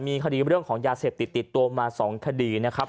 มีคดีเรื่องของยาเสพติดติดตัวมา๒คดีนะครับ